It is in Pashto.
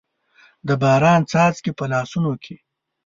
د باران څاڅکي، په لاسونو کې